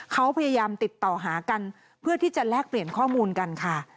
เขาพยายามติดต่อหากันเพื่อที่จะแลกเปลี่ยนข้อมูลกันค่ะ